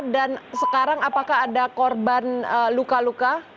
dan sekarang apakah ada korban luka luka